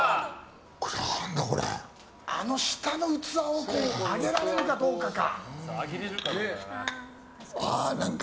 あの下の器をあげられるかどうかか。